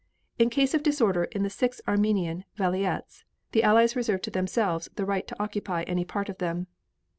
In case of disorder in the six Armenian vilayets the Allies reserve to themselves the right to occupy any part of them.